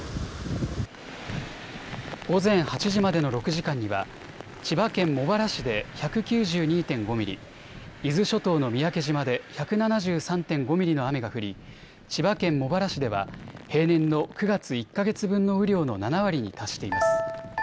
午前８時までの６時間には千葉県茂原市で１９２．５ミリ、伊豆諸島の三宅島で１７３．５ミリの雨が降り千葉県茂原市では平年の９月１か月分の雨量の７割に達しています。